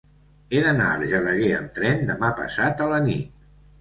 He d'anar a Argelaguer amb tren demà passat a la nit.